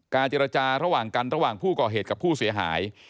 เจรจาระหว่างกันระหว่างผู้ก่อเหตุกับผู้เสียหาย